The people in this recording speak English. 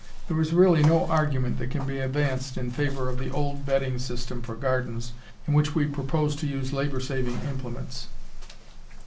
There is really no argument that can be advanced in favor of the old bedding system for gardens in which we propose to use labor saving implements.